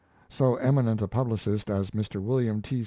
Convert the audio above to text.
So eminent a publicist as Mr. William T.